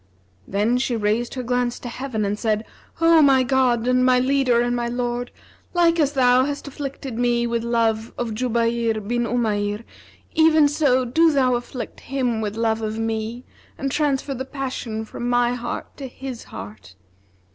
Then she raised her glance to heaven and said, 'O my God and my Leader and my Lord, like as Thou hast afflicted me with love of Jubayr bin Umayr, even so do Thou afflict him with love of me, and transfer the passion from my heart to his heart!'